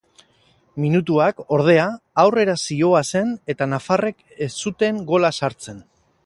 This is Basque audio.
Minutuak, ordea, aurrera zihoazen eta nafarrek ez zuten gola sartzen.